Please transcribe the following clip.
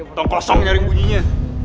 udah kosong nyari bunyinya